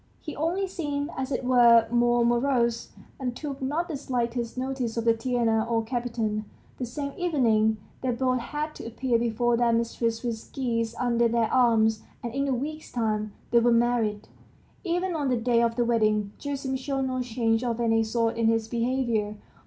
He only seemed, as it were, more morose, and took not the slightest notice of Tatiana or Kapiton. The same evening, they both had to appear before their mistress with geese under their arms, and in a week's time they were married. Even on the day of the wedding Gerasim showed no change of any sort in his behavior.